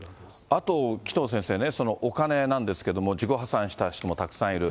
あと、紀藤先生ね、お金なんですけれども、自己破産した人もたくさんいる。